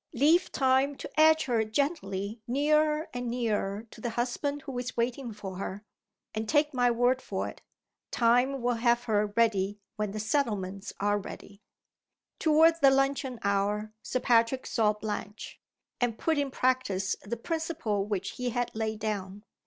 Leave Time to edge her gently nearer and nearer to the husband who is waiting for her and take my word for it, Time will have her ready when the settlements are ready." Toward the luncheon hour Sir Patrick saw Blanche, and put in practice the principle which he had laid down.